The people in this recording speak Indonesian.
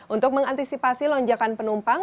untuk mengantisipasi lonjakan penumpang